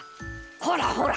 ほらほら。